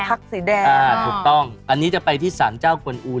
อันนี้จะไปที่สารเจ้ากวนอู่